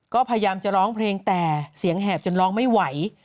ก็พยายามจะร้องเพลงแต่เสียงแหบจนร้องไม่ไหว